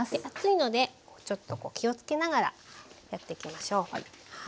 熱いので気をつけながらやっていきましょう。